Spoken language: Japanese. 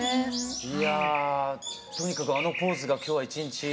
いやとにかくあのポーズが今日は一日。